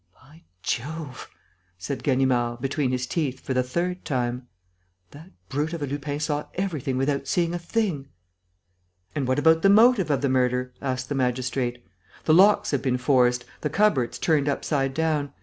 "By Jove!" said Ganimard, between his teeth, for the third time. "That brute of a Lupin saw everything without seeing a thing!" "And what about the motive of the murder?" asked the magistrate. "The locks have been forced, the cupboards turned upside down.